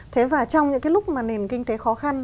thế và trong những cái lúc mà nền kinh tế khó khăn